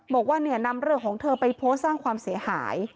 บอกว่าเนี่ยนำเรื่องของเธอไปโพสต์สร้างความเสียหาย